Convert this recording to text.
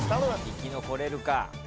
生き残れるか？